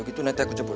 jemput kamu ya